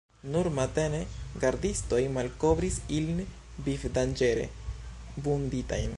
Nur matene gardistoj malkovris ilin, vivdanĝere vunditajn.